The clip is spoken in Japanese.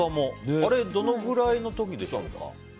あれどのくらいの時でしょうか？